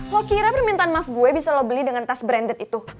lo kira permintaan maaf gue bisa lo beli dengan tas branded itu